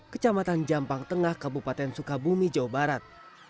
kecamatan jampang tengah kabupaten sukabumi jawa barat